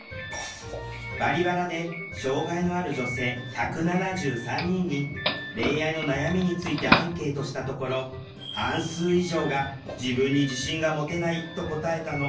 そもそも「バリバラ」で障害のある女性１７３人に恋愛の悩みについてアンケートしたところ半数以上が「自分に自信が持てない」と答えたの。